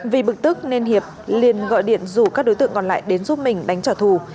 vì bực tức nên hiệp liền gọi điện rủ các đối tượng còn lại đến giúp mình đánh trả thù